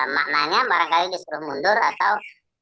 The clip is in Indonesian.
maknanya barangkali disuruh mundur atau